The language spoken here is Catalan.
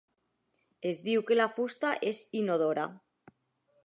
Es diu que la fusta és inodora.